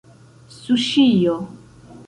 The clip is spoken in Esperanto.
suŝio